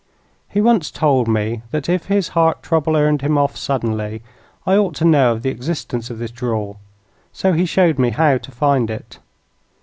He once told me that if his heart trouble earned him off suddenly I ought to know of the existence of this drawer; so he showed me how to find it.